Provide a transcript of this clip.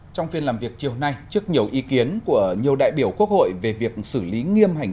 trong phiên làm việc chiều nay trước nhiều ý kiến của nhiều đại biểu quốc hội về việc xử lý nghiêm hành